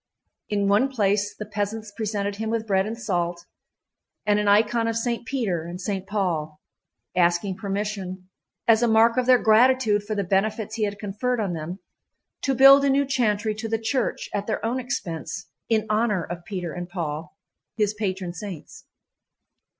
In one place the peasants presented him with bread and salt and an icon of Saint Peter and Saint Paul, asking permission, as a mark of their gratitude for the benefits he had conferred on them, to build a new chantry to the church at their own expense in honor of Peter and Paul, his patron saints.